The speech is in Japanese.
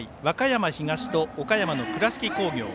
和歌山東と岡山の倉敷工業。